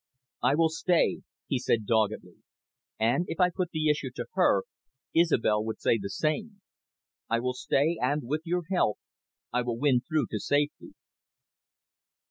"I will stay," he said doggedly. "And, if I put the issue to her, Isobel would say the same. I will stay, and, with your help, I will win through to safety."